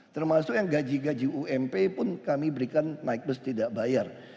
termasuk yang gaji gaji ump pun kami berikan naik bus tidak bayar